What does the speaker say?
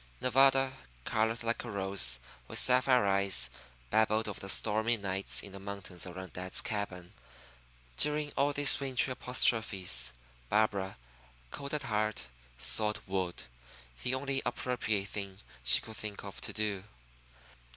Nevada, colored like a rose, with sapphire eyes, babbled of the stormy nights in the mountains around dad's cabin. During all these wintry apostrophes, Barbara, cold at heart, sawed wood the only appropriate thing she could think of to do.